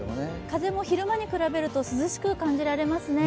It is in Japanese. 風も昼間に比べると涼しく感じますね。